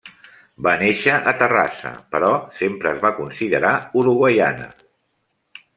Va néixer a Terrassa, però sempre es va considerar uruguaiana.